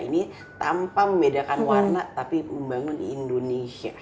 ini tanpa membedakan warna tapi membangun indonesia